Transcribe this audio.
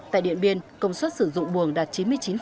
tại điện biên công suất sử dụng buồng đạt chín mươi chín